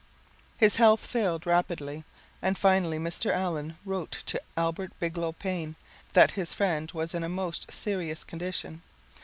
His health failed rapidly and finally Mr. Allen wrote to Albert Bigelow Paine that his friend was in a most serious condition.